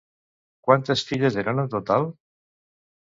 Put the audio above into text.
Quantes filles eren en total?